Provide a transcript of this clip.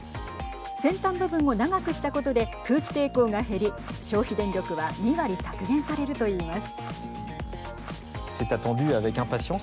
先端部分を長くしたことで空気抵抗が減り消費電力は２割削減されると言います。